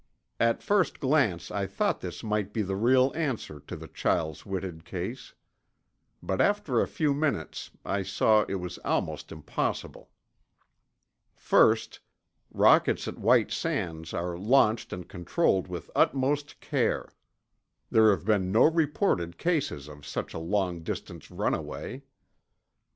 At first glance I thought this might be the real answer to the Chiles Whitted case. But after a few minutes I saw it was almost impossible. First, rockets at White Sands are launched and controlled with utmost care. There have been no reported cases of such a long distance runaway.